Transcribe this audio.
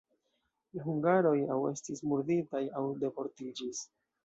La hungaroj aŭ estis murditaj, aŭ deportiĝis.